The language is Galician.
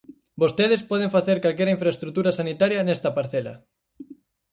Vostedes poden facer calquera infraestrutura sanitaria nesta parcela.